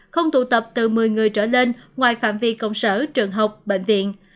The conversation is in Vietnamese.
không tụ tập từ một mươi người trở lên ngoài phạm vi công sở trường học bệnh viện